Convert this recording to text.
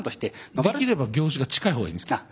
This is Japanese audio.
できれば業種が近い方がいいんですけど。